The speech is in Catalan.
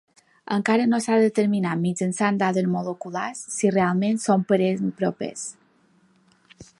Encara no s'ha determinat mitjançant dades moleculars si realment són parents propers.